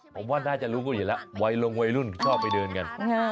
ผมว่าน่าจะรู้ก็เห็นแล้ววัยลงวัยรุ่นชอบไปเดินกัน